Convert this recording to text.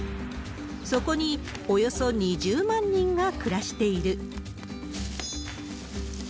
そこに、およそ２０万人が暮らしている。